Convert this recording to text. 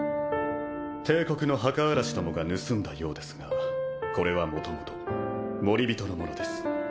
帝国の墓荒らしどもが盗んだようですがこれはもともとモリビトのものです。